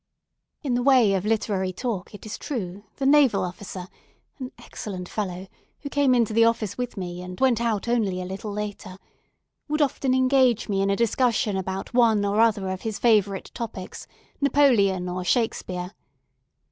In the way of literary talk, it is true, the Naval Officer—an excellent fellow, who came into the office with me, and went out only a little later—would often engage me in a discussion about one or the other of his favourite topics, Napoleon or Shakespeare.